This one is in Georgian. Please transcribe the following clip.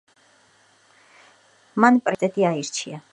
მან პრინსტონის უნივერსიტეტი აირჩია.